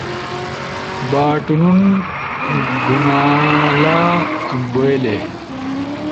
باٹونون، گھومالا، بوئلے